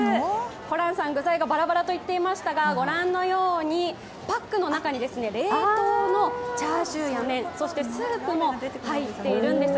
ホランさん、具材がバラバラと言っていましたがご覧のようにパックの中に冷凍のチャーシューや麺そしてスープも入っているんです。